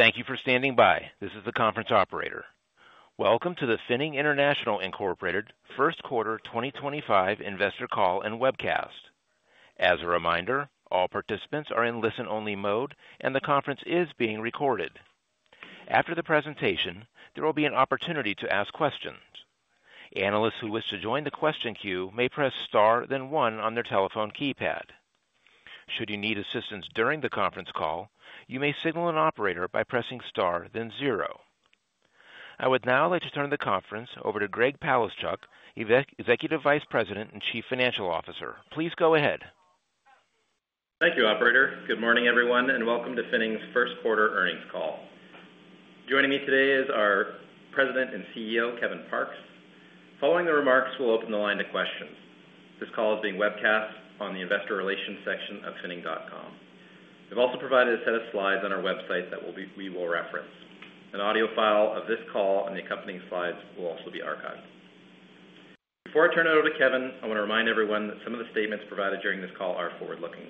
Thank you for standing by. This is the conference operator. Welcome to the Finning International Inc First Quarter 2025 Investor Call and Webcast. As a reminder, all participants are in listen-only mode, and the conference is being recorded. After the presentation, there will be an opportunity to ask questions. Analysts who wish to join the question queue may press star, then one on their telephone keypad. Should you need assistance during the conference call, you may signal an operator by pressing star, then zero. I would now like to turn the conference over to Greg Palaschuk, Executive Vice President and Chief Financial Officer. Please go ahead. Thank you, Operator. Good morning, everyone, and welcome to Finning's First Quarter Earnings Call. Joining me today is our President and CEO, Kevin Parks. Following the remarks, we'll open the line to questions. This call is being webcast on the investor relations section of finning.com. We've also provided a set of slides on our website that we will reference. An audio file of this call and the accompanying slides will also be archived. Before I turn it over to Kevin, I want to remind everyone that some of the statements provided during this call are forward-looking.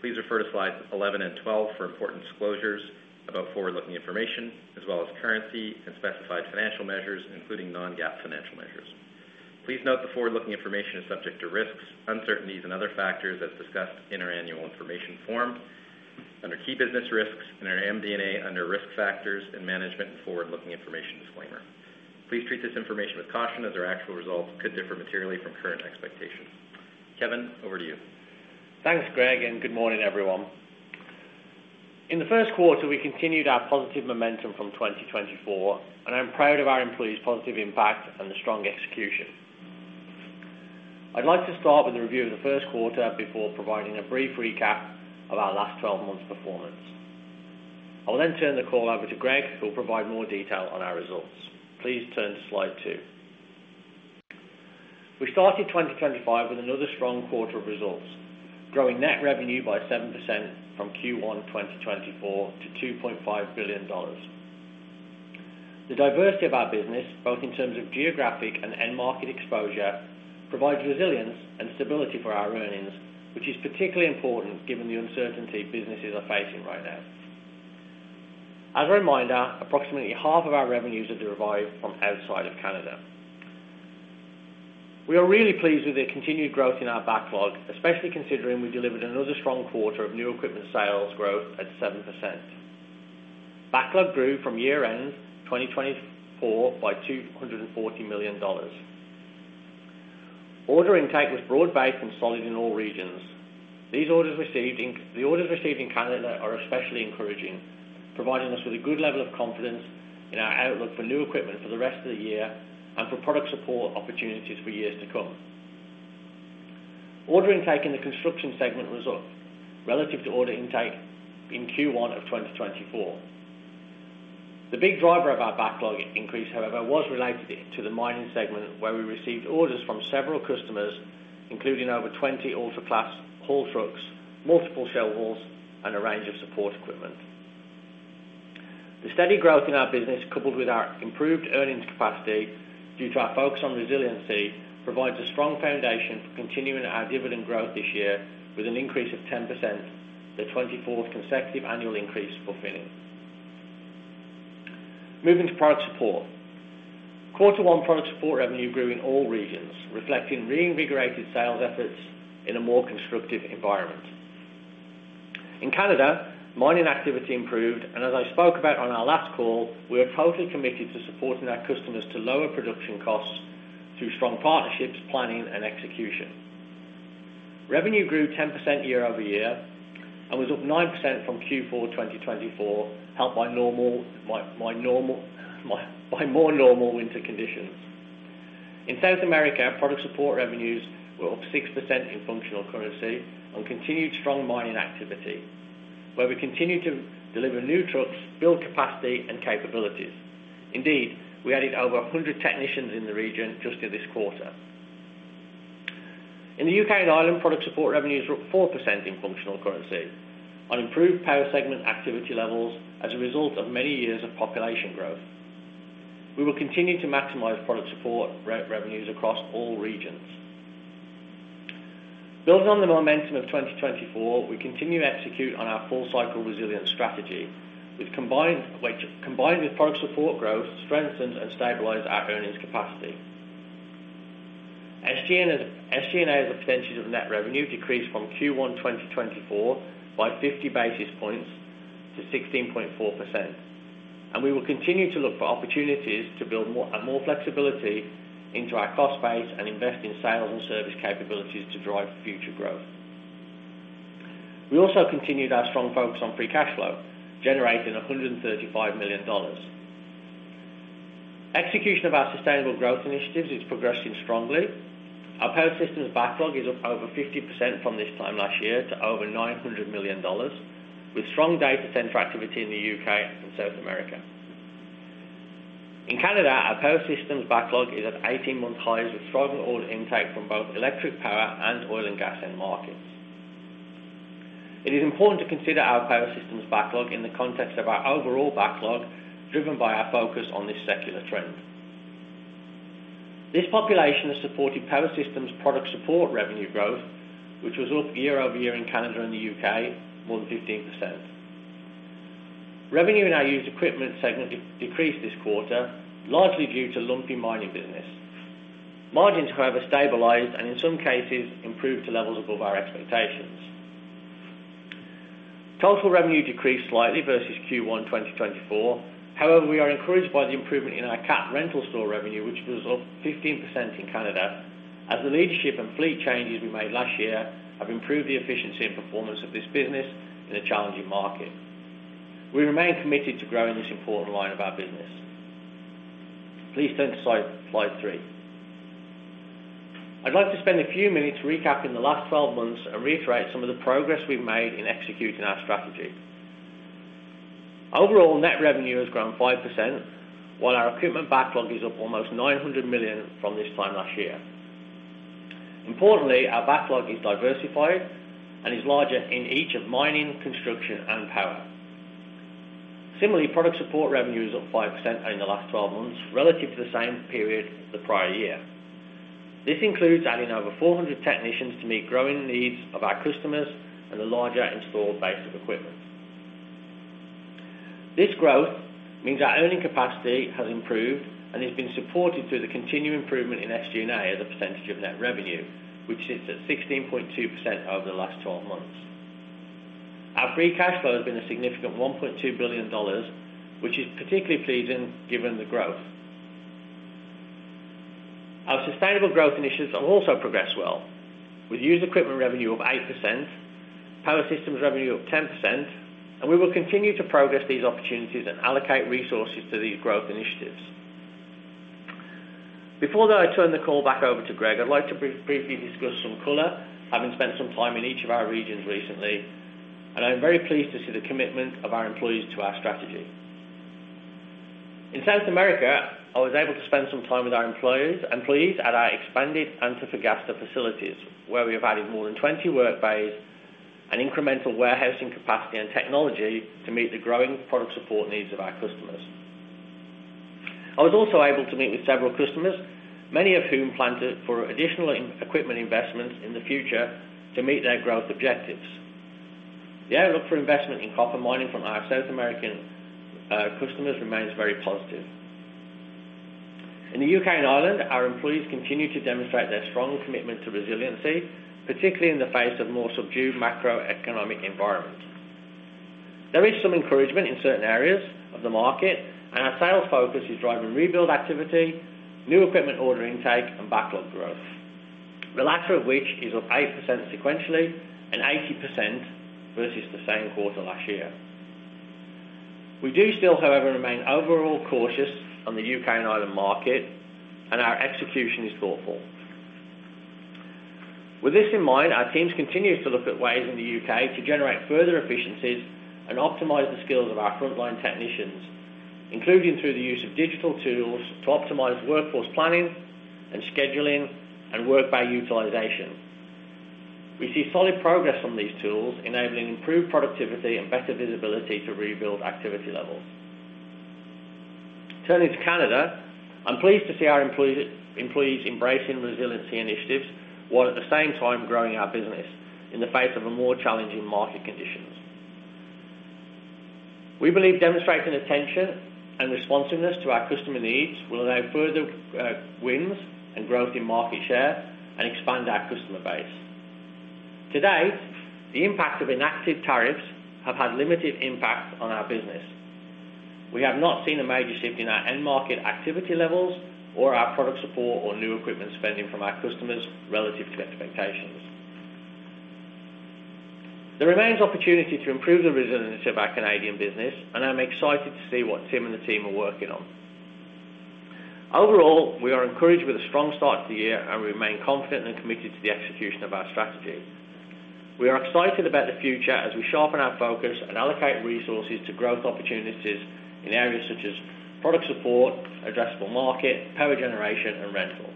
Please refer to slides 11 and 12 for important disclosures about forward-looking information, as well as currency and specified financial measures, including non-GAAP financial measures. Please note the forward-looking information is subject to risks, uncertainties, and other factors as discussed in our annual information form, under key business risks, and our MD&A under risk factors and management and forward-looking information disclaimer. Please treat this information with caution as our actual results could differ materially from current expectations. Kevin, over to you. Thanks, Greg, and good morning, everyone. In the first quarter, we continued our positive momentum from 2024, and I'm proud of our employees' positive impact and the strong execution. I'd like to start with a review of the first quarter before providing a brief recap of our last 12 months' performance. I will then turn the call over to Greg, who will provide more detail on our results. Please turn to slide two. We started 2025 with another strong quarter of results, growing net revenue by 7% from Q1 2024 to 2.5 billion dollars. The diversity of our business, both in terms of geographic and end market exposure, provides resilience and stability for our earnings, which is particularly important given the uncertainty businesses are facing right now. As a reminder, approximately half of our revenues have derived from outside of Canada. We are really pleased with the continued growth in our backlog, especially considering we delivered another strong quarter of new equipment sales growth at 7%. Backlog grew from year-end 2024 by 240 million dollars. Order intake was broad-based and solid in all regions. The orders received in Canada are especially encouraging, providing us with a good level of confidence in our outlook for new equipment for the rest of the year and for product support opportunities for years to come. Order intake in the construction segment was up relative to order intake in Q1 of 2024. The big driver of our backlog increase, however, was related to the mining segment, where we received orders from several customers, including over 20 Ultra-Class Haul Trucks, multiple Shell hauls, and a range of support equipment. The steady growth in our business, coupled with our improved earnings capacity due to our focus on resiliency, provides a strong foundation for continuing our dividend growth this year with an increase of 10%, the 24th consecutive annual increase for Finning. Moving to product support. Q1 product support revenue grew in all regions, reflecting reinvigorated sales efforts in a more constructive environment. In Canada, mining activity improved, and as I spoke about on our last call, we are totally committed to supporting our customers to lower production costs through strong partnerships, planning, and execution. Revenue grew 10% year-over-year and was up 9% from Q4 2024, helped by more normal winter conditions. In South America, product support revenues were up 6% in functional currency and continued strong mining activity, where we continue to deliver new trucks, build capacity, and capabilities. Indeed, we added over 100 technicians in the region just in this quarter. In the U.K. and Ireland, product support revenues were up 4% in functional currency on improved power segment activity levels as a result of many years of population growth. We will continue to maximize product support revenues across all regions. Building on the momentum of 2024, we continue to execute on our full-cycle resilience strategy, which, combined with product support growth, strengthens and stabilizes our earnings capacity. SG&A's percentage of net revenue decreased from Q1 2024 by 50 basis points to 16.4%, and we will continue to look for opportunities to build more flexibility into our cost base and invest in sales and service capabilities to drive future growth. We also continued our strong focus on free cash flow, generating 135 million dollars. Execution of our sustainable growth initiatives is progressing strongly. Our power systems backlog is up over 50% from this time last year to over 900 million dollars, with strong data center activity in the U.K. and South America. In Canada, our power systems backlog is at 18-month highs, with strong order intake from both electric power and oil and gas end markets. It is important to consider our power systems backlog in the context of our overall backlog, driven by our focus on this secular trend. This population has supported power systems product support revenue growth, which was up year over year in Canada and the U.K., more than 15%. Revenue in our used equipment segment decreased this quarter, largely due to lumpy mining business. Margins, however, stabilized and, in some cases, improved to levels above our expectations. Total revenue decreased slightly versus Q1 2024. However, we are encouraged by the improvement in our CAT Rental Store revenue, which was up 15% in Canada, as the leadership and fleet changes we made last year have improved the efficiency and performance of this business in a challenging market. We remain committed to growing this important line of our business. Please turn to slide three. I'd like to spend a few minutes recapping the last 12 months and reiterate some of the progress we've made in executing our strategy. Overall, net revenue has grown 5%, while our equipment backlog is up almost 900 million from this time last year. Importantly, our backlog is diversified and is larger in each of mining, construction, and power. Similarly, product support revenue is up 5% in the last 12 months relative to the same period the prior year. This includes adding over 400 technicians to meet growing needs of our customers and a larger installed base of equipment. This growth means our earning capacity has improved and has been supported through the continued improvement in SG&A as a percentage of net revenue, which sits at 16.2% over the last 12 months. Our free cash flow has been a significant 1.2 billion dollars, which is particularly pleasing given the growth. Our sustainable growth initiatives have also progressed well, with used equipment revenue of 8%, power systems revenue of 10%, and we will continue to progress these opportunities and allocate resources to these growth initiatives. Before I turn the call back over to Greg, I'd like to briefly discuss some color, having spent some time in each of our regions recently, and I'm very pleased to see the commitment of our employees to our strategy. In South America, I was able to spend some time with our employees and employees at our expanded Antofagasta facilities, where we have added more than 20 work bays and incremental warehousing capacity and technology to meet the growing product support needs of our customers. I was also able to meet with several customers, many of whom planned for additional equipment investments in the future to meet their growth objectives. The outlook for investment in copper mining from our South American customers remains very positive. In the U.K. and Ireland, our employees continue to demonstrate their strong commitment to resiliency, particularly in the face of more subdued macroeconomic environment. There is some encouragement in certain areas of the market, and our sales focus is driving rebuild activity, new equipment order intake, and backlog growth, the latter of which is up 8% sequentially and 80% versus the same quarter last year. We do still, however, remain overall cautious on the U.K. and Ireland market, and our execution is thoughtful. With this in mind, our teams continue to look at ways in the U.K. to generate further efficiencies and optimize the skills of our frontline technicians, including through the use of digital tools to optimize workforce planning and scheduling and work-buy utilization. We see solid progress on these tools, enabling improved productivity and better visibility to rebuild activity levels. Turning to Canada, I'm pleased to see our employees embracing resiliency initiatives while, at the same time, growing our business in the face of more challenging market conditions. We believe demonstrating attention and responsiveness to our customer needs will allow further wins and growth in market share and expand our customer base. To date, the impact of enacted tariffs has had limited impact on our business. We have not seen a major shift in our end market activity levels or our product support or new equipment spending from our customers relative to expectations. There remains opportunity to improve the resilience of our Canadian business, and I'm excited to see what Tim and the team are working on. Overall, we are encouraged with a strong start to the year and remain confident and committed to the execution of our strategy. We are excited about the future as we sharpen our focus and allocate resources to growth opportunities in areas such as product support, addressable market, power generation, and rental.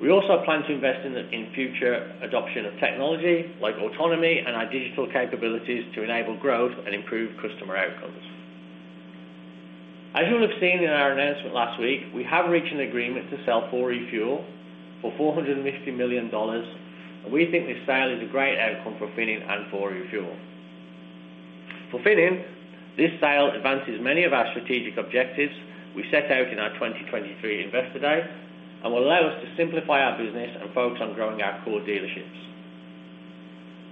We also plan to invest in future adoption of technology like autonomy and our digital capabilities to enable growth and improve customer outcomes. As you will have seen in our announcement last week, we have reached an agreement to sell 4Refuel for 450 million dollars, and we think this sale is a great outcome for Finning and 4Refuel. For Finning, this sale advances many of our strategic objectives we set out in our 2023 Investor Day and will allow us to simplify our business and focus on growing our core dealerships.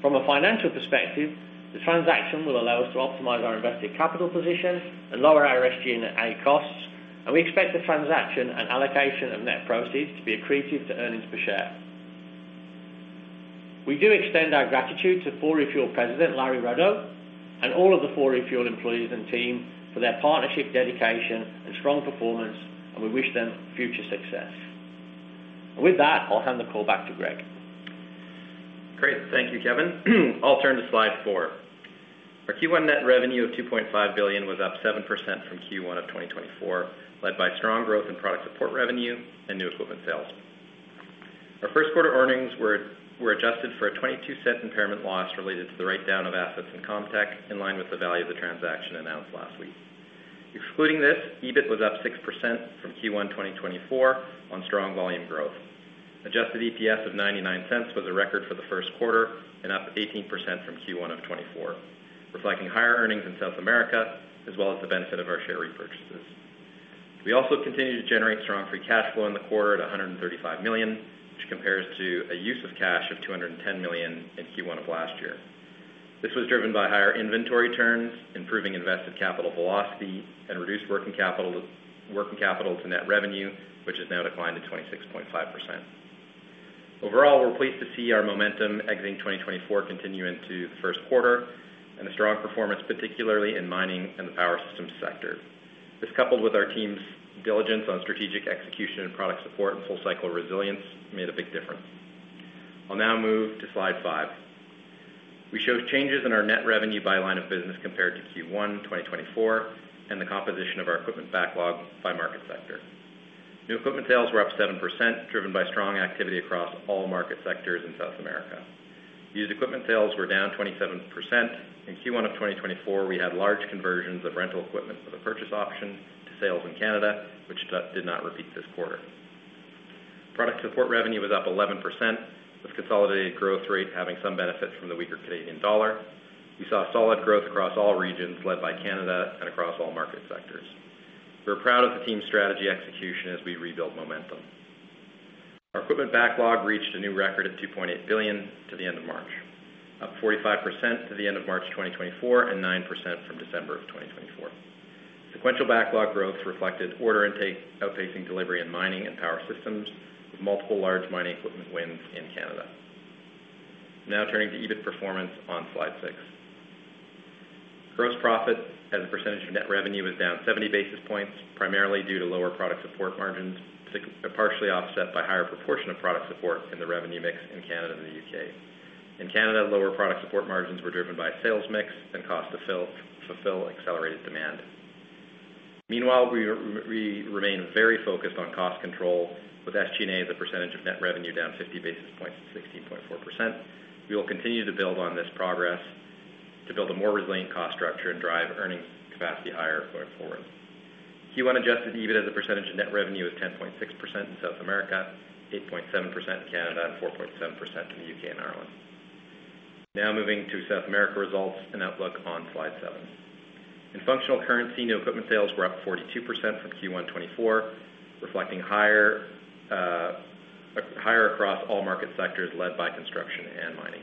From a financial perspective, the transaction will allow us to optimize our invested capital position and lower our SG&A costs, and we expect the transaction and allocation of net proceeds to be accretive to earnings per share. We do extend our gratitude to 4Refuel President Larry Rodo and all of the 4Refuel employees and team for their partnership, dedication, and strong performance, and we wish them future success. With that, I'll hand the call back to Greg. Great. Thank you, Kevin. I'll turn to slide four. Our Q1 net revenue of 2.5 billion was up 7% from Q1 of 2024, led by strong growth in product support revenue and new equipment sales. Our first quarter earnings were adjusted for a 0.22 impairment loss related to the write-down of assets in Comtech, in line with the value of the transaction announced last week. Excluding this, EBIT was up 6% from Q1 2024 on strong volume growth. Adjusted EPS of 0.99 was a record for the first quarter and up 18% from Q1 of 2024, reflecting higher earnings in South America as well as the benefit of our share repurchases. We also continue to generate strong free cash flow in the quarter at 135 million, which compares to a use of cash of 210 million in Q1 of last year. This was driven by higher inventory turns, improving invested capital velocity, and reduced working capital to net revenue, which has now declined to 26.5%. Overall, we're pleased to see our momentum exiting 2024 continue into the first quarter and the strong performance, particularly in mining and the power systems sector. This, coupled with our team's diligence on strategic execution and product support and full-cycle resilience, made a big difference. I'll now move to slide five. We show changes in our net revenue by line of business compared to Q1 2024 and the composition of our equipment backlog by market sector. New equipment sales were up 7%, driven by strong activity across all market sectors in South America. Used equipment sales were down 27%. In Q1 of 2024, we had large conversions of rental equipment with a purchase option to sales in Canada, which did not repeat this quarter. Product support revenue was up 11%, with consolidated growth rate having some benefit from the weaker Canadian dollar. We saw solid growth across all regions, led by Canada and across all market sectors. We're proud of the team's strategy execution as we rebuild momentum. Our equipment backlog reached a new record at 2.8 billion to the end of March, up 45% to the end of March 2024 and 9% from December of 2024. Sequential backlog growth reflected order intake outpacing delivery in mining and Power Systems with multiple large mining equipment wins in Canada. Now turning to EBIT performance on slide six. Gross profit as a percentage of net revenue was down 70 basis points, primarily due to lower product support margins, partially offset by a higher proportion of product support in the revenue mix in Canada and the U.K. In Canada, lower product support margins were driven by sales mix and cost to fulfill accelerated demand. Meanwhile, we remain very focused on cost control, with SG&A as a percentage of net revenue down 50 basis points to 16.4%. We will continue to build on this progress to build a more resilient cost structure and drive earnings capacity higher going forward. Q1 adjusted EBIT as a percentage of net revenue was 10.6% in South America, 8.7% in Canada, and 4.7% in the U.K. and Ireland. Now moving to South America results and outlook on slide seven. In functional currency, new equipment sales were up 42% from Q1 2024, reflecting higher across all market sectors led by construction and mining.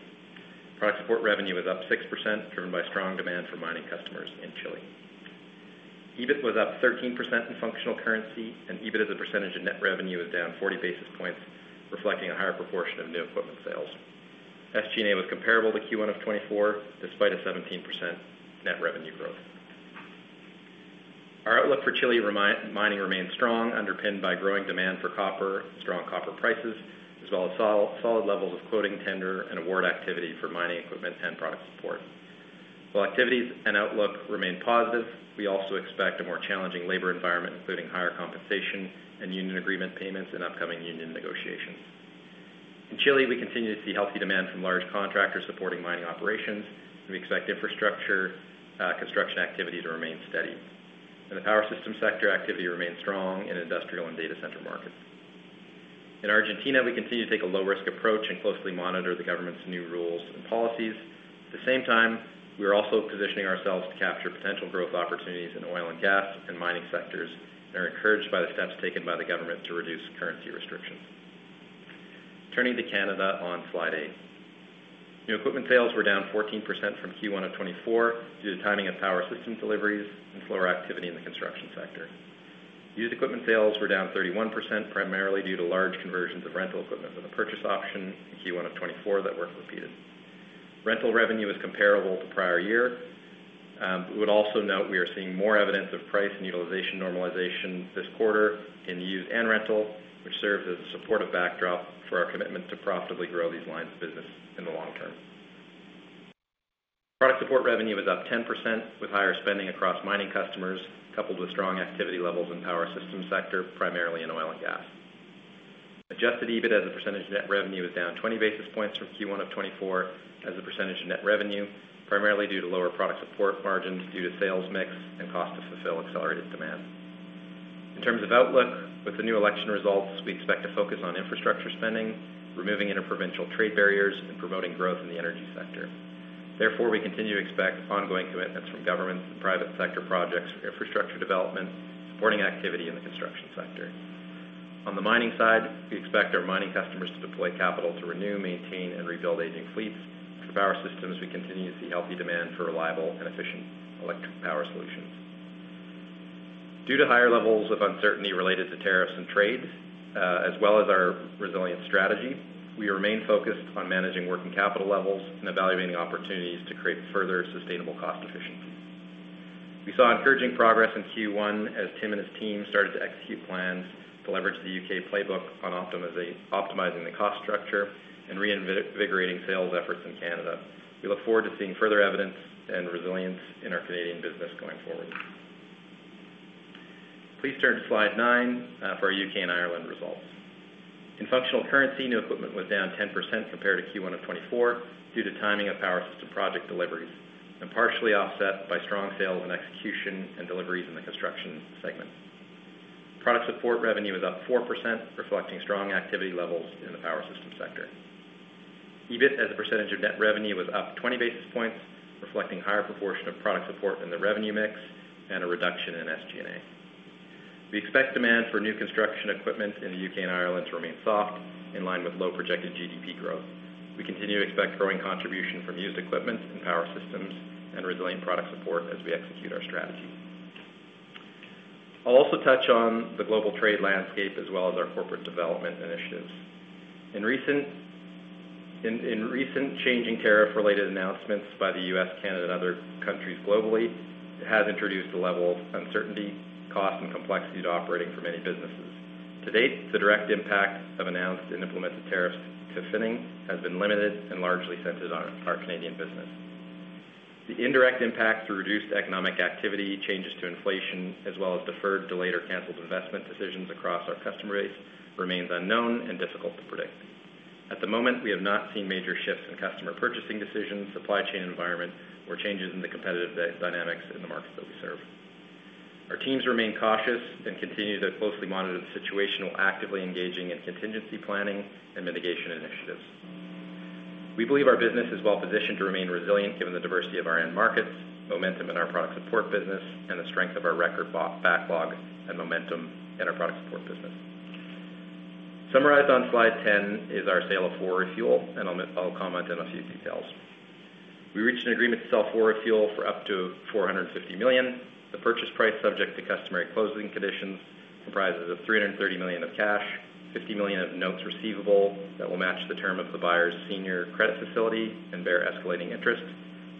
Product support revenue was up 6%, driven by strong demand for mining customers in Chile. EBIT was up 13% in functional currency, and EBIT as a percentage of net revenue was down 40 basis points, reflecting a higher proportion of new equipment sales. SG&A was comparable to Q1 of 2024, despite a 17% net revenue growth. Our outlook for Chile mining remains strong, underpinned by growing demand for copper, strong copper prices, as well as solid levels of quoting tender and award activity for mining equipment and product support. While activities and outlook remain positive, we also expect a more challenging labor environment, including higher compensation and union agreement payments and upcoming union negotiations. In Chile, we continue to see healthy demand from large contractors supporting mining operations, and we expect infrastructure construction activity to remain steady. In the power systems sector, activity remains strong in industrial and data center markets. In Argentina, we continue to take a low-risk approach and closely monitor the government's new rules and policies. At the same time, we are also positioning ourselves to capture potential growth opportunities in oil and gas and mining sectors and are encouraged by the steps taken by the government to reduce currency restrictions. Turning to Canada on slide eight. New equipment sales were down 14% from Q1 of 2024 due to timing of Power Systems deliveries and slower activity in the construction sector. Used equipment sales were down 31%, primarily due to large conversions of rental equipment with a purchase option in Q1 of 2024 that were repeated. Rental revenue was comparable to prior year. We would also note we are seeing more evidence of price and utilization normalization this quarter in used and rental, which serves as a supportive backdrop for our commitment to profitably grow these lines of business in the long term. Product support revenue was up 10%, with higher spending across mining customers coupled with strong activity levels in the power systems sector, primarily in oil and gas. Adjusted EBIT as a percentage of net revenue was down 20 basis points from Q1 of 2024 as a percentage of net revenue, primarily due to lower product support margins due to sales mix and cost to fulfill accelerated demand. In terms of outlook, with the new election results, we expect to focus on infrastructure spending, removing interprovincial trade barriers, and promoting growth in the energy sector. Therefore, we continue to expect ongoing commitments from government and private sector projects for infrastructure development, supporting activity in the construction sector. On the mining side, we expect our mining customers to deploy capital to renew, maintain, and rebuild aging fleets. For power systems, we continue to see healthy demand for reliable and efficient electric power solutions. Due to higher levels of uncertainty related to tariffs and trade, as well as our resilience strategy, we remain focused on managing working capital levels and evaluating opportunities to create further sustainable cost efficiencies. We saw encouraging progress in Q1 as Tim and his team started to execute plans to leverage the U.K. playbook on optimizing the cost structure and reinvigorating sales efforts in Canada. We look forward to seeing further evidence and resilience in our Canadian business going forward. Please turn to slide nine for our U.K. and Ireland results. In functional currency, new equipment was down 10% compared to Q1 of 2024 due to timing of Power Systems project deliveries and partially offset by strong sales and execution and deliveries in the construction segment. Product support revenue was up 4%, reflecting strong activity levels in the Power Systems sector. EBIT as a percentage of net revenue was up 20 basis points, reflecting a higher proportion of product support in the revenue mix and a reduction in SG&A. We expect demand for new construction equipment in the U.K. and Ireland to remain soft, in line with low projected GDP growth. We continue to expect growing contribution from used equipment and Power Systems and resilient product support as we execute our strategy. I'll also touch on the global trade landscape as well as our corporate development initiatives. In recent changing tariff-related announcements by the U.S., Canada, and other countries globally, it has introduced a level of uncertainty, cost, and complexity to operating for many businesses. To date, the direct impact of announced and implemented tariffs to Finning has been limited and largely centered on our Canadian business. The indirect impact through reduced economic activity, changes to inflation, as well as deferred, delayed, or canceled investment decisions across our customer base remains unknown and difficult to predict. At the moment, we have not seen major shifts in customer purchasing decisions, supply chain environment, or changes in the competitive dynamics in the markets that we serve. Our teams remain cautious and continue to closely monitor the situation while actively engaging in contingency planning and mitigation initiatives. We believe our business is well-positioned to remain resilient given the diversity of our end markets, momentum in our product support business, and the strength of our record backlog and momentum in our product support business. Summarized on slide 10 is our sale of 4Refuel, and I'll comment on a few details. We reached an agreement to sell 4Refuel for up to 450 million. The purchase price, subject to customary closing conditions, comprises 330 million of cash, 50 million of notes receivable that will match the term of the buyer's senior credit facility and bear escalating interest,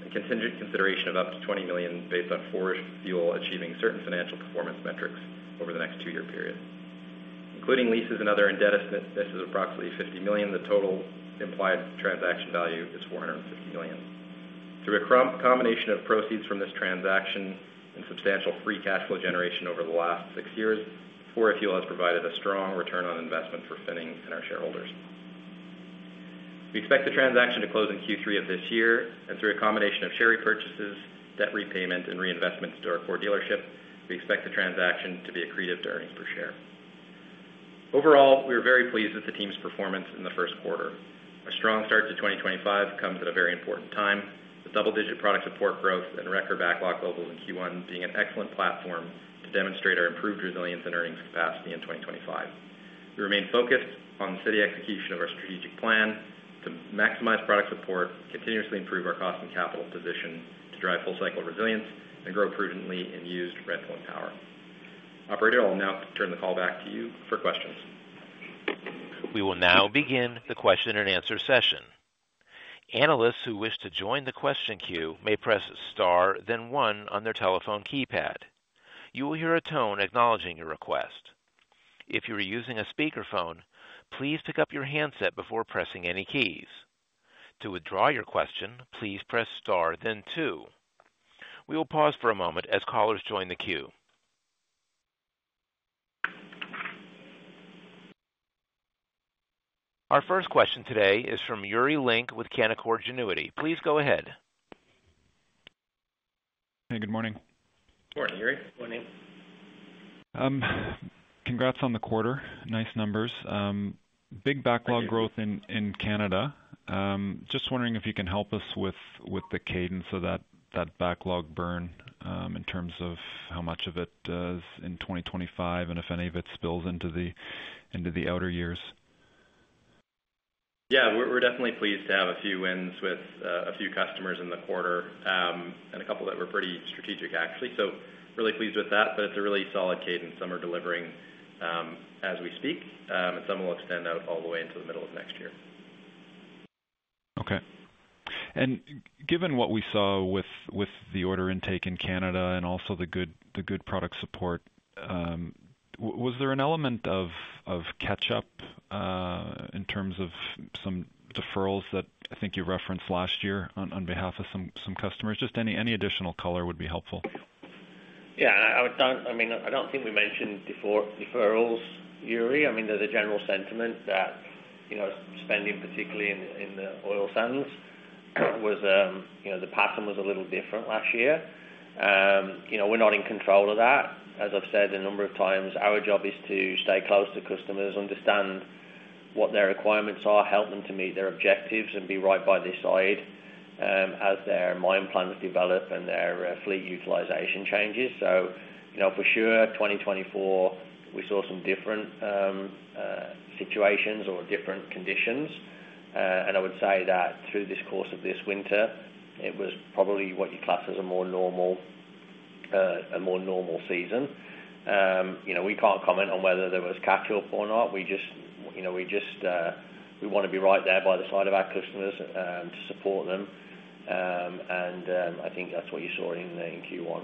and contingent consideration of up to 20 million based on 4Refuel achieving certain financial performance metrics over the next two-year period. Including leases and other indebtedness of approximately 50 million, the total implied transaction value is 450 million. Through a combination of proceeds from this transaction and substantial free cash flow generation over the last six years, 4Refuel has provided a strong return on investment for Finning and our shareholders. We expect the transaction to close in Q3 of this year, and through a combination of share repurchases, debt repayment, and reinvestment into our core dealership, we expect the transaction to be accretive to earnings per share. Overall, we are very pleased with the team's performance in the first quarter. A strong start to 2025 comes at a very important time, with double-digit product support growth and record backlog levels in Q1 being an excellent platform to demonstrate our improved resilience and earnings capacity in 2025. We remain focused on the steady execution of our strategic plan to maximize product support, continuously improve our cost and capital position to drive full-cycle resilience, and grow prudently in used, rental, and power. Operator, I'll now turn the call back to you for questions. We will now begin the question-and-answer session. Analysts who wish to join the question queue may press Star, then 1 on their telephone keypad. You will hear a tone acknowledging your request. If you are using a speakerphone, please pick up your handset before pressing any keys. To withdraw your question, please press Star, then two. We will pause for a moment as callers join the queue. Our first question today is from Yuri Lynk with Canaccord Genuity. Please go ahead. Hey, good morning. Good morning, Yuri. Good morning. Congrats on the quarter. Nice numbers. Big backlog growth in Canada. Just wondering if you can help us with the cadence of that backlog burn in terms of how much of it is in 2025 and if any of it spills into the outer years. Yeah, we're definitely pleased to have a few wins with a few customers in the quarter and a couple that were pretty strategic, actually. Really pleased with that, but it's a really solid cadence. Some are delivering as we speak, and some will extend out all the way into the middle of next year. Okay. Given what we saw with the order intake in Canada and also the good product support, was there an element of catch-up in terms of some deferrals that I think you referenced last year on behalf of some customers? Just any additional color would be helpful. Yeah. I mean, I do not think we mentioned deferrals, Yuri. I mean, there is a general sentiment that spending, particularly in the oil sands, was—the pattern was a little different last year. We are not in control of that. As I have said a number of times, our job is to stay close to customers, understand what their requirements are, help them to meet their objectives, and be right by their side as their mine plans develop and their fleet utilization changes. For sure, 2024, we saw some different situations or different conditions. I would say that through this course of this winter, it was probably what you class as a more normal season. We cannot comment on whether there was catch-up or not. We just want to be right there by the side of our customers to support them. I think that is what you saw in Q1.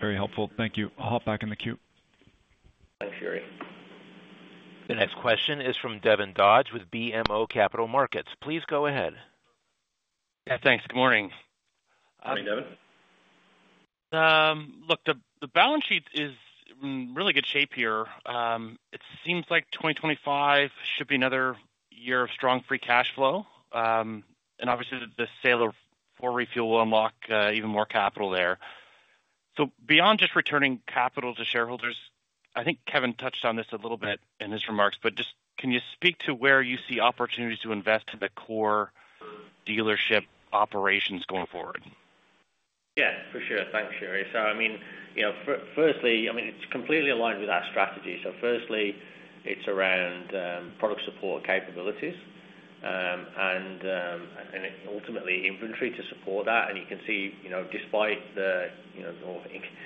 Very helpful. Thank you. I'll hop back in the queue. Thanks, Yuri. The next question is from Devin Dodge with BMO Capital Markets. Please go ahead. Yeah, thanks. Good morning. Morning, Devin. Look, the balance sheet is in really good shape here. It seems like 2025 should be another year of strong free cash flow. Obviously, the sale of 4Refuel will unlock even more capital there. Beyond just returning capital to shareholders, I think Kevin touched on this a little bit in his remarks, but just can you speak to where you see opportunities to invest in the core dealership operations going forward? Yeah, for sure. Thanks, Yuri. I mean, firstly, it's completely aligned with our strategy. Firstly, it's around product support capabilities and ultimately inventory to support that. You can see,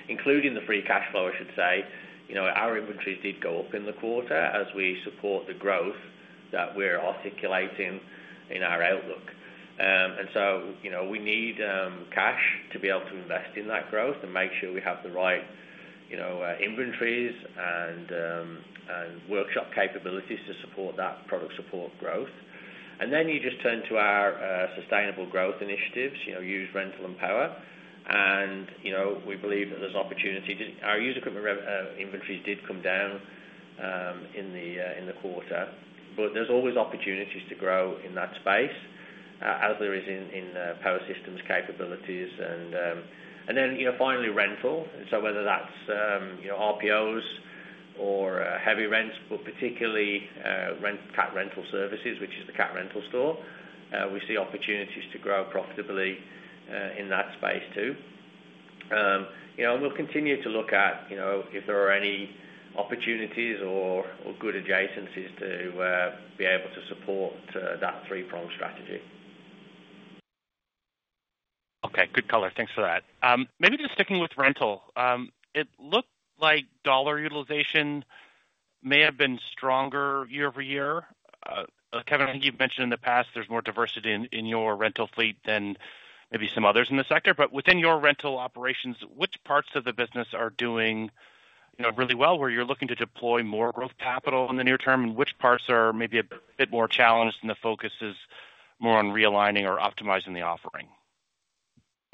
including the free cash flow, our inventories did go up in the quarter as we support the growth that we're articulating in our outlook. We need cash to be able to invest in that growth and make sure we have the right inventories and workshop capabilities to support that product support growth. You just turn to our sustainable growth initiatives, used, rental, and power. We believe that there's opportunity. Our used equipment inventories did come down in the quarter, but there's always opportunities to grow in that space as there is in power systems capabilities. Finally, rental. Whether that's RPOs or heavy rents, but particularly CAT Rental Store, we see opportunities to grow profitably in that space too. We'll continue to look at if there are any opportunities or good adjacencies to be able to support that three-pronged strategy. Okay. Good color. Thanks for that. Maybe just sticking with rental. It looked like dollar utilization may have been stronger year over year. Kevin, I think you've mentioned in the past there's more diversity in your rental fleet than maybe some others in the sector. But within your rental operations, which parts of the business are doing really well where you're looking to deploy more growth capital in the near term, and which parts are maybe a bit more challenged and the focus is more on realigning or optimizing the offering?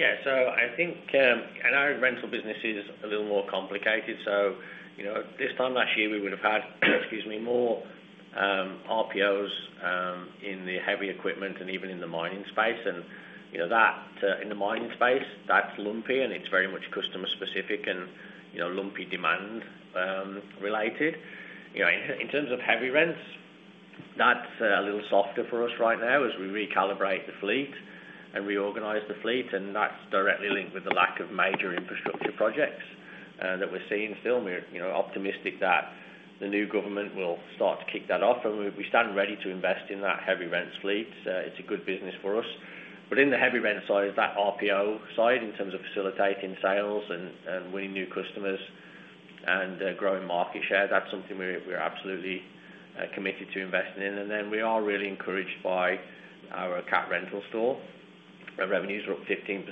Yeah. I think our rental business is a little more complicated. This time last year, we would have had, excuse me, more RPOs in the heavy equipment and even in the mining space. In the mining space, that's lumpy, and it's very much customer-specific and lumpy demand-related. In terms of heavy rents, that's a little softer for us right now as we recalibrate the fleet and reorganize the fleet. That's directly linked with the lack of major infrastructure projects that we're seeing still. We're optimistic that the new government will start to kick that off, and we stand ready to invest in that heavy rents fleet. It's a good business for us. In the heavy rent side, that RPO side in terms of facilitating sales and winning new customers and growing market share, that's something we're absolutely committed to investing in. We are really encouraged by our CAT Rental Store. Our revenues are up 15%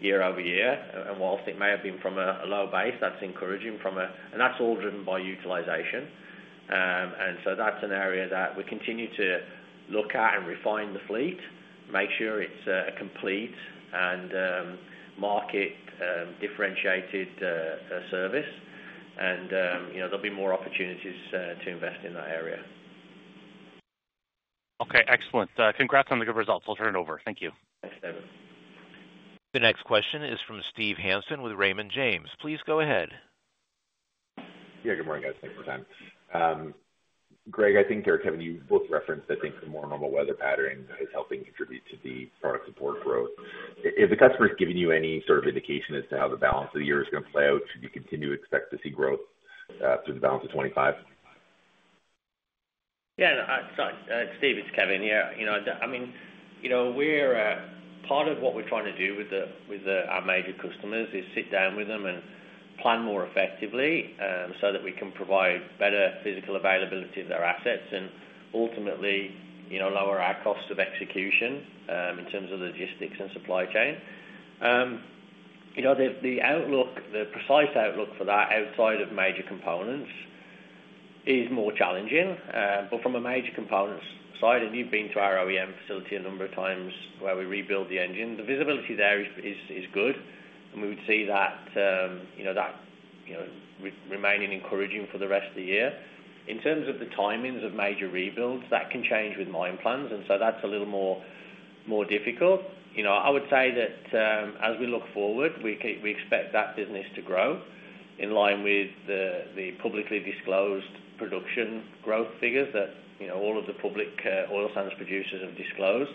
year over year. Whilst it may have been from a low base, that's encouraging, and that's all driven by utilization. That's an area that we continue to look at and refine the fleet, make sure it's a complete and market-differentiated service. There will be more opportunities to invest in that area. Okay. Excellent. Congrats on the good results. I'll turn it over. Thank you. Thanks, Devin. The next question is from Steve Hansen with Raymond James. Please go ahead. Yeah, good morning, guys. Thanks for your time. Greg, I think, or Kevin, you both referenced, I think, the more normal weather pattern is helping contribute to the product support growth. If the customer's giving you any sort of indication as to how the balance of the year is going to play out, should you continue to expect to see growth through the balance of 2025? Yeah. It's Steve. It's Kevin here. I mean, part of what we're trying to do with our major customers is sit down with them and plan more effectively so that we can provide better physical availability of their assets and ultimately lower our cost of execution in terms of logistics and supply chain. The outlook, the precise outlook for that outside of major components is more challenging. From a major components side, and you've been to our OEM facility a number of times where we rebuild the engine, the visibility there is good. We would see that remaining encouraging for the rest of the year. In terms of the timings of major rebuilds, that can change with mine plans, and so that's a little more difficult. I would say that as we look forward, we expect that business to grow in line with the publicly disclosed production growth figures that all of the public oil sands producers have disclosed.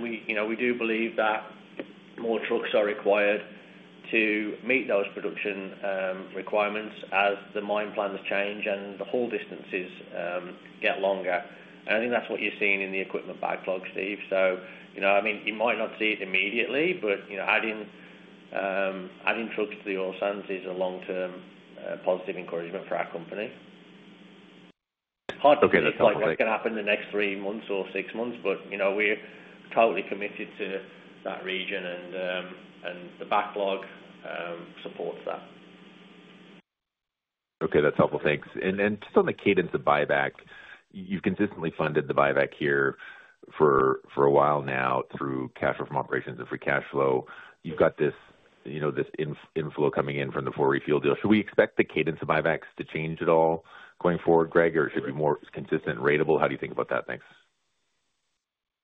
We do believe that more trucks are required to meet those production requirements as the mine plans change and the haul distances get longer. I think that's what you're seeing in the equipment backlog, Steve. I mean, you might not see it immediately, but adding trucks to the oil sands is a long-term positive encouragement for our company. Hard to say what's going to happen in the next three months or six months, but we're totally committed to that region, and the backlog supports that. Okay. That's helpful. Thanks. Just on the cadence of buyback, you've consistently funded the buyback here for a while now through cash flow from operations and free cash flow. You've got this inflow coming in from the 4Refuel deal. Should we expect the cadence of buybacks to change at all going forward, Greg, or should it be more consistent and ratable? How do you think about that? Thanks.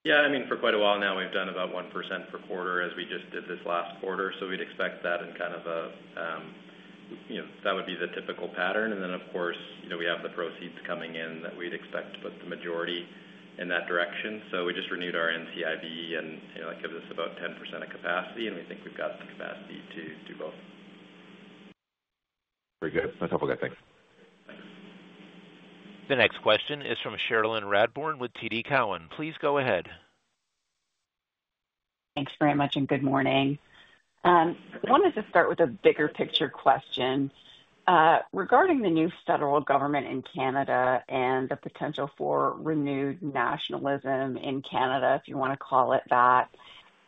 Yeah. I mean, for quite a while now, we've done about 1% per quarter as we just did this last quarter. We would expect that in kind of a that would be the typical pattern. Of course, we have the proceeds coming in that we would expect to put the majority in that direction. We just renewed our NCIB and gave us about 10% of capacity, and we think we've got the capacity to do both. Very good. That's helpful. Thanks. Thanks. The next question is from Cherilyn Radbourne with TD Cowen. Please go ahead. Thanks very much and good morning. I wanted to start with a bigger picture question. Regarding the new federal government in Canada and the potential for renewed nationalism in Canada, if you want to call it that,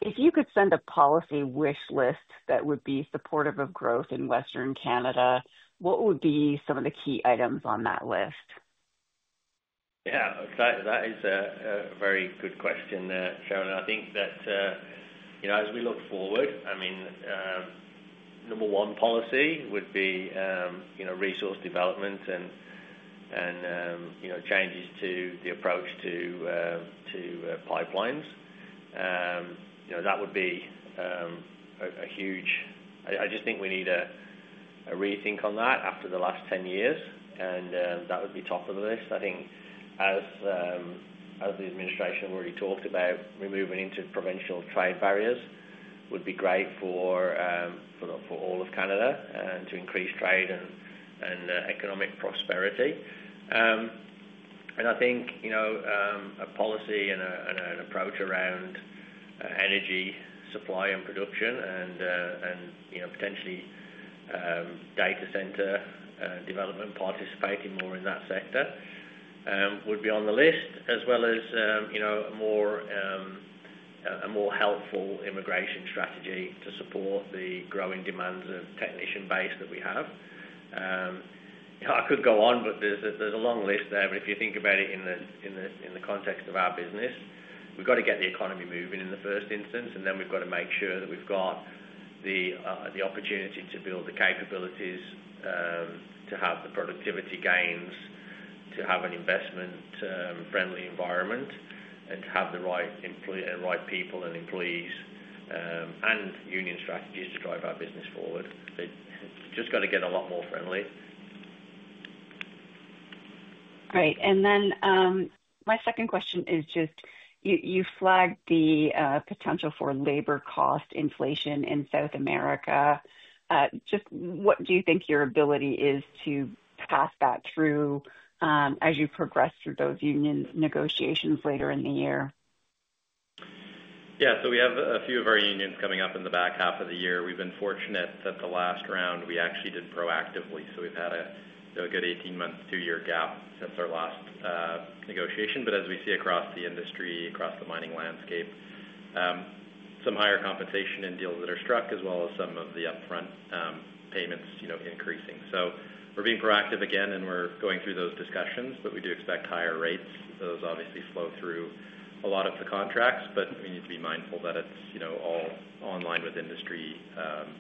if you could send a policy wish list that would be supportive of growth in Western Canada, what would be some of the key items on that list? Yeah. That is a very good question, Cherilyn. I think that as we look forward, I mean, number one policy would be resource development and changes to the approach to pipelines. That would be a huge—I just think we need a rethink on that after the last 10 years, and that would be top of the list. I think as the administration have already talked about, removing interprovincial trade barriers would be great for all of Canada to increase trade and economic prosperity. I think a policy and an approach around energy supply and production and potentially data center development, participating more in that sector, would be on the list, as well as a more helpful immigration strategy to support the growing demands of technician base that we have. I could go on, but there is a long list there. If you think about it in the context of our business, we've got to get the economy moving in the first instance, and then we've got to make sure that we've got the opportunity to build the capabilities, to have the productivity gains, to have an investment-friendly environment, and to have the right people and employees and union strategies to drive our business forward. It's just got to get a lot more friendly. Great. My second question is just you flagged the potential for labor cost inflation in South America. Just what do you think your ability is to pass that through as you progress through those union negotiations later in the year? Yeah. We have a few of our unions coming up in the back half of the year. We've been fortunate that the last round we actually did proactively. We've had a good 18-month, two-year gap since our last negotiation. As we see across the industry, across the mining landscape, some higher compensation in deals that are struck, as well as some of the upfront payments increasing. We are being proactive again, and we are going through those discussions, but we do expect higher rates. Those obviously flow through a lot of the contracts, but we need to be mindful that it is all in line with industry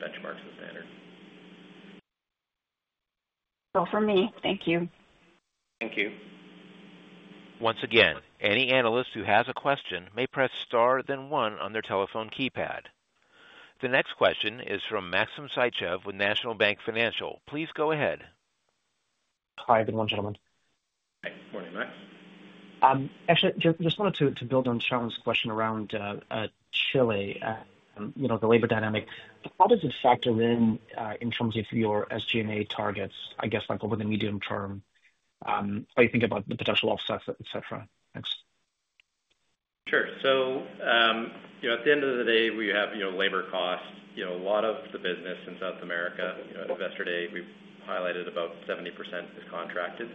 benchmarks and standards. Thank you. Thank you. Once again, any analyst who has a question may press star then one on their telephone keypad. The next question is from Maxim Sytchev with National Bank Financial. Please go ahead. Hi, good morning, gentlemen. Hi. Good morning, Max. Actually, just wanted to build on Cherilyn's question around Chile, the labor dynamic. How does it factor in in terms of your SG&A targets, I guess, over the medium term? How do you think about the potential offsets, etc.? Thanks. Sure. At the end of the day, we have labor costs. A lot of the business in South America, yesterday we highlighted about 70% is contracted.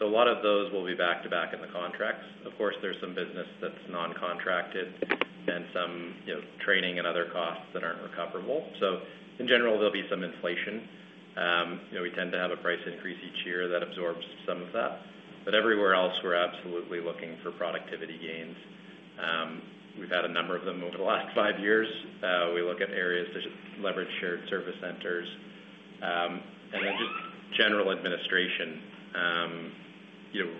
A lot of those will be back-to-back in the contracts. Of course, there's some business that's non-contracted and some training and other costs that aren't recoverable. In general, there'll be some inflation. We tend to have a price increase each year that absorbs some of that. Everywhere else, we're absolutely looking for productivity gains. We've had a number of them over the last five years. We look at areas to leverage shared service centers. In general administration,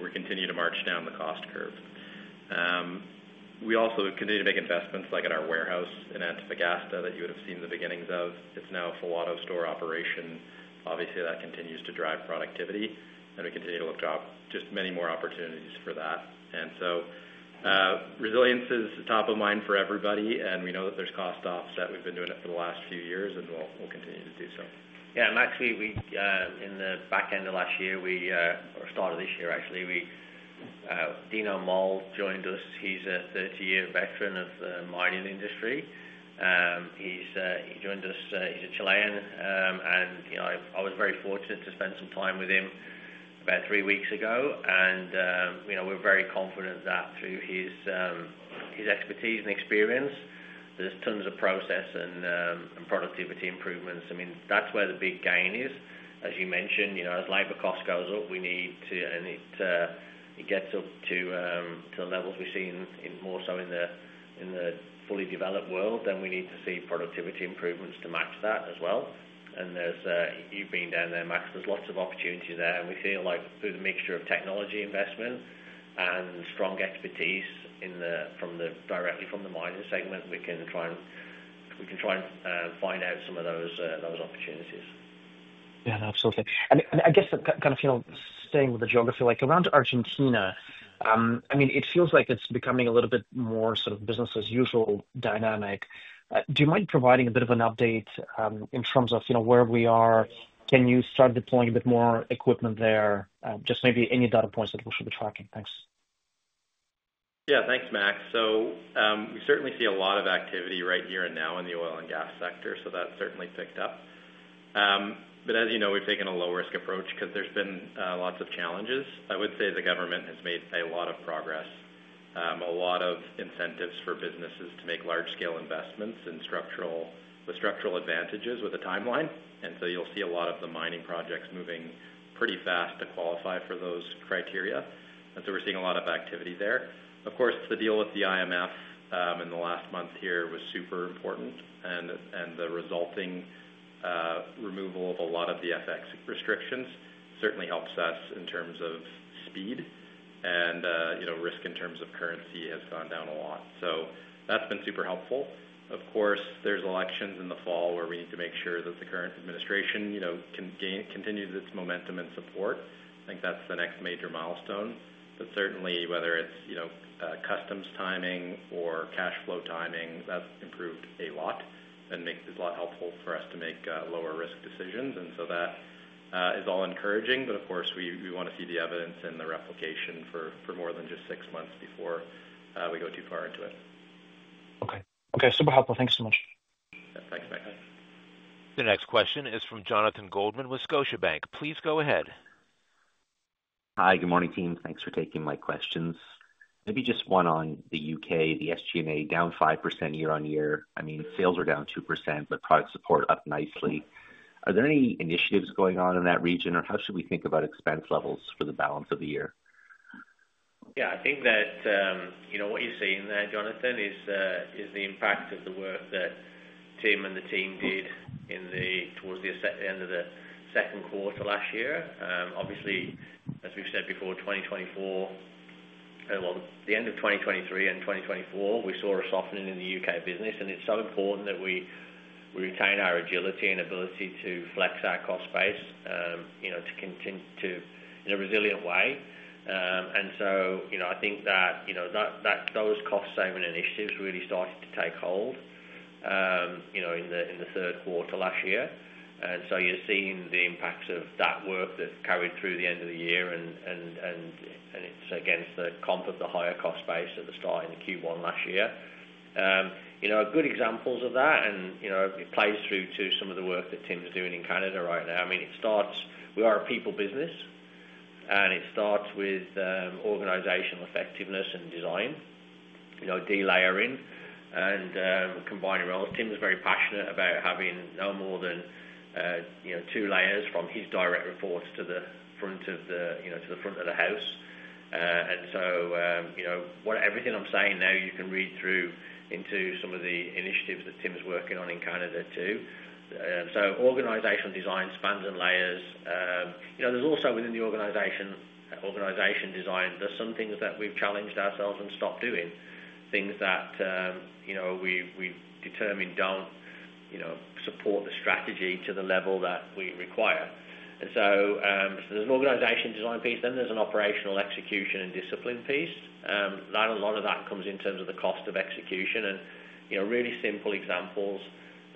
we're continuing to march down the cost curve. We also continue to make investments like in our warehouse in Antofagasta that you would have seen the beginnings of. It's now a full auto store operation. Obviously, that continues to drive productivity. We continue to look to just many more opportunities for that. Resilience is top of mind for everybody, and we know that there's cost offset. We've been doing it for the last few years, and we'll continue to do so. Yeah. Actually, in the back end of last year, or start of this year, Dino Moll joined us. He's a 30-year veteran of the mining industry. He joined us. He's a Chilean. I was very fortunate to spend some time with him about three weeks ago. We're very confident that through his expertise and experience, there's tons of process and productivity improvements. I mean, that's where the big gain is. As you mentioned, as labor costs go up, we need to get up to the levels we've seen more so in the fully developed world. We need to see productivity improvements to match that as well. You have been down there, Max. There are lots of opportunities there. We feel like through the mixture of technology investment and strong expertise directly from the mining segment, we can try and find out some of those opportunities. Yeah. Absolutely. I guess kind of staying with the geography, around Argentina, I mean, it feels like it's becoming a little bit more sort of business-as-usual dynamic. Do you mind providing a bit of an update in terms of where we are? Can you start deploying a bit more equipment there? Just maybe any data points that we should be tracking. Thanks. Yeah. Thanks, Max. We certainly see a lot of activity right here and now in the oil and gas sector, so that's certainly picked up. As you know, we've taken a low-risk approach because there's been lots of challenges. I would say the government has made a lot of progress, a lot of incentives for businesses to make large-scale investments with structural advantages with a timeline. You'll see a lot of the mining projects moving pretty fast to qualify for those criteria. We're seeing a lot of activity there. Of course, the deal with the IMF in the last month here was super important. The resulting removal of a lot of the FX restrictions certainly helps us in terms of speed. Risk in terms of currency has gone down a lot. That's been super helpful. Of course, there's elections in the fall where we need to make sure that the current administration can continue its momentum and support. I think that's the next major milestone. Certainly, whether it's customs timing or cash flow timing, that's improved a lot and makes it a lot helpful for us to make lower-risk decisions. That is all encouraging. Of course, we want to see the evidence and the replication for more than just six months before we go too far into it. Okay. Okay. Super helpful. Thanks so much. Yeah. Thanks, Max. The next question is from Jonathan Goldman with Scotiabank. Please go ahead. Hi. Good morning, team. Thanks for taking my questions. Maybe just one on the U.K., the SG&A down 5% year-on-year. I mean, sales are down 2%, but product support up nicely. Are there any initiatives going on in that region, or how should we think about expense levels for the balance of the year? Yeah. I think that what you're seeing there, Jonathan, is the impact of the work that Tim and the team did towards the end of the second quarter last year. Obviously, as we've said before, 2024, the end of 2023 and 2024, we saw a softening in the U.K. business. It is so important that we retain our agility and ability to flex our cost base to continue in a resilient way. I think that those cost-saving initiatives really started to take hold in the third quarter last year. You are seeing the impacts of that work that carried through the end of the year, and it is against the comp of the higher cost base at the start in Q1 last year. Good examples of that, and it plays through to some of the work that Tim's doing in Canada right now. I mean, we are a people business, and it starts with organizational effectiveness and design, delayering, and combining roles. Tim's very passionate about having no more than two layers from his direct reports to the front of the house. Everything I'm saying now, you can read through into some of the initiatives that Tim's working on in Canada too. Organizational design spans and layers. There's also within the organization design, there's some things that we've challenged ourselves and stopped doing, things that we've determined don't support the strategy to the level that we require. There's an organization design piece. Then there's an operational execution and discipline piece. A lot of that comes in terms of the cost of execution. Really simple examples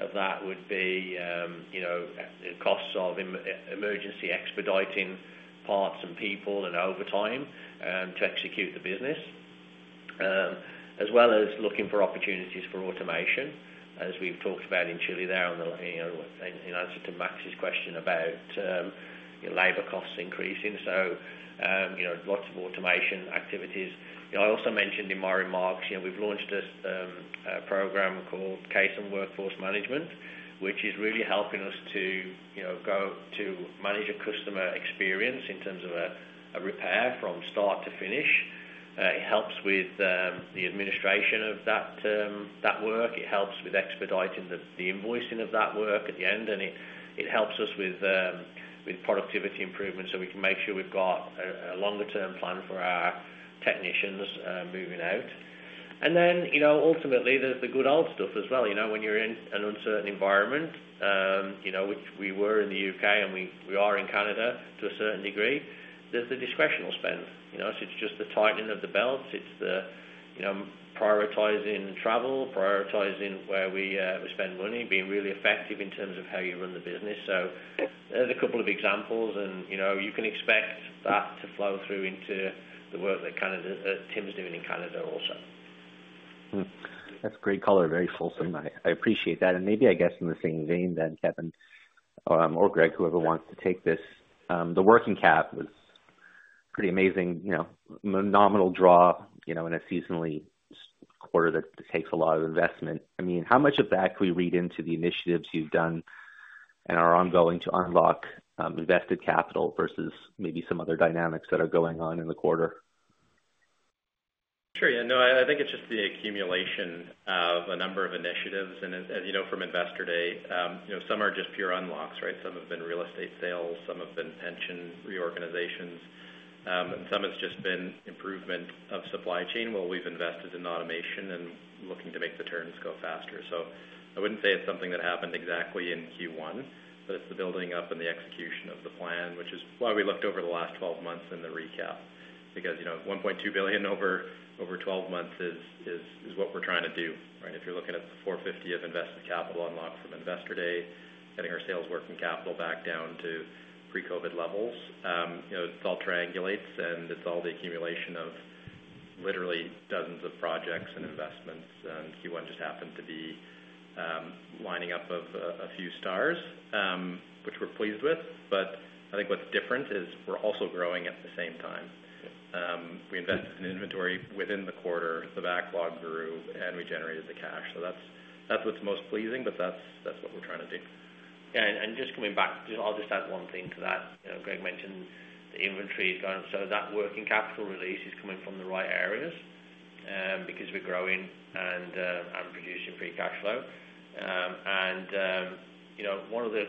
of that would be the costs of emergency expediting parts and people and overtime to execute the business, as well as looking for opportunities for automation, as we've talked about in Chile there in answer to Max's question about labor costs increasing. Lots of automation activities. I also mentioned in my remarks, we've launched a program called CaseM Workforce Management, which is really helping us to manage a customer experience in terms of a repair from start to finish. It helps with the administration of that work. It helps with expediting the invoicing of that work at the end. It helps us with productivity improvements so we can make sure we've got a longer-term plan for our technicians moving out. Ultimately, there's the good old stuff as well. When you're in an uncertain environment, which we were in the U.K. and we are in Canada to a certain degree, there's the discretional spend. It's just the tightening of the belts. It's the prioritizing travel, prioritizing where we spend money, being really effective in terms of how you run the business. There are a couple of examples, and you can expect that to flow through into the work that Tim's doing in Canada also. That's great color, very fulsome. I appreciate that. Maybe, I guess, in the same vein, Kevin or Greg, whoever wants to take this, the working cap was pretty amazing, a nominal draw in a seasonally quarter that takes a lot of investment. I mean, how much of that can we read into the initiatives you've done and are ongoing to unlock invested capital versus maybe some other dynamics that are going on in the quarter? Sure. Yeah. No, I think it's just the accumulation of a number of initiatives. And as you know from Investor Day, some are just pure unlocks, right? Some have been real estate sales, some have been pension reorganizations, and some have just been improvement of supply chain while we've invested in automation and looking to make the turns go faster. I wouldn't say it's something that happened exactly in Q1, but it's the building up and the execution of the plan, which is why we looked over the last 12 months in the recap, because 1.2 billion over 12 months is what we're trying to do, right? If you're looking at the 450 million of invested capital unlocked from Investor Day, getting our sales working capital back down to pre-COVID levels, it all triangulates, and it's all the accumulation of literally dozens of projects and investments. Q1 just happened to be lining up of a few stars, which we're pleased with. I think what's different is we're also growing at the same time. We invested in inventory within the quarter, the backlog grew, and we generated the cash. That's what's most pleasing, but that's what we're trying to do. Yeah. Just coming back, I'll just add one thing to that. Greg mentioned the inventory is going. That working capital release is coming from the right areas because we're growing and producing free cash flow. One of the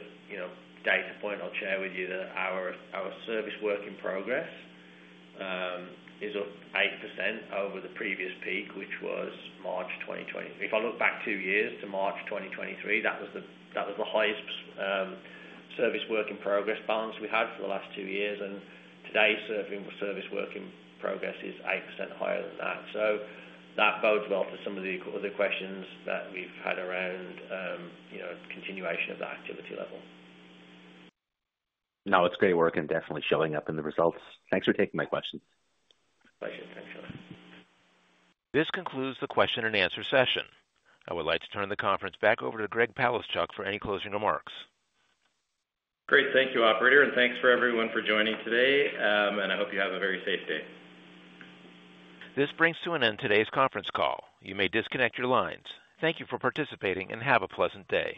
data points I'll share with you, our service work in progress is up 8% over the previous peak, which was March 2023. If I look back two years to March 2023, that was the highest service work in progress balance we had for the last two years. Today, service work in progress is 8% higher than that. That bodes well to some of the questions that we've had around continuation of the activity level. No, it's great work and definitely showing up in the results. Thanks for taking my questions. Pleasure. Thanks. This concludes the question and answer session. I would like to turn the conference back over to Greg Palaschuk for any closing remarks. Great. Thank you, Operator. Thank you everyone for joining today. I hope you have a very safe day. This brings to an end today's conference call. You may disconnect your lines. Thank you for participating and have a pleasant day.